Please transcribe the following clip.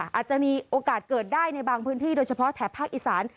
อาจจะมีโอกาสเกิดได้ในบางพื้นที่โดยเฉพาะแถบภาคอีสาน